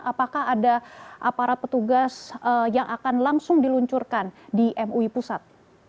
apakah ada aparat petugas yang akan langsung diluncurkan di mui pusat